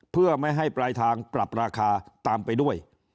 เพื่อไม่ให้ปลายทางปรับราคาตามไปด้วย